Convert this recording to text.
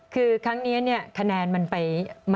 คือครั้งนี้คะแนนมันไป